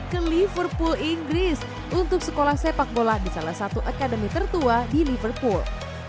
ke liverpool inggris untuk sekolah sepak bola di salah satu akademi tertua di liverpool